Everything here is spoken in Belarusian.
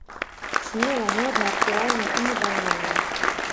Смела, модна, актуальна і не банальна!